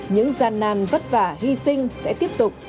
những gian nan vất vả hy sinh sẽ tiếp tục